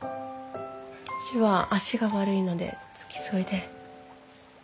父は足が悪いので付き添いで。